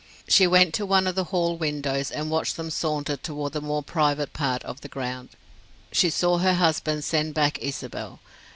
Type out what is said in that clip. She went to one of the hall windows and watched them saunter toward the more private part of the ground; she saw her husband send back Isabel.